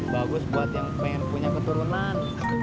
bagus buat yang pengen punya keturunan